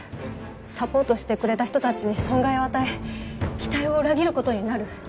サポートしてくれた人たちに損害を与え期待を裏切る事になる。